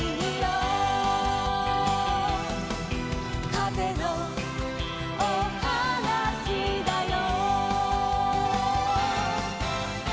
「かぜのおはなしだよ」